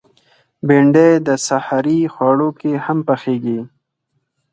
بېنډۍ د سحري خواړه کې هم پخېږي